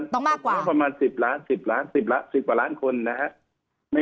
ต้องมากกว่าประมาณ๑๐กว่าล้านคนนะฮะ